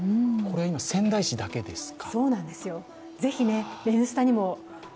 仙台市だけですか。